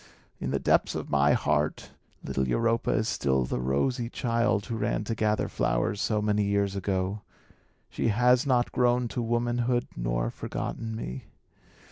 In the depths of my heart, little Europa is still the rosy child who ran to gather flowers so many years ago. She has not grown to womanhood, nor forgotten me.